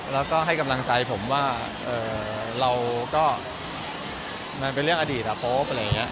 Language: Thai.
แล้วก็ให้กำลังใจผมว่าเราก็มันเป็นเรื่องอดีตอะโป๊ปอะไรอย่างนี้